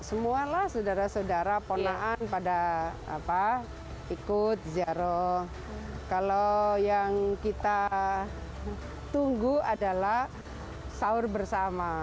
semualah saudara saudara ponaan pada apa ikut ziarah kalau yang kita tunggu adalah sahur bersama